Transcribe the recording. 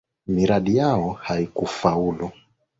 Miradi yao haikufaulu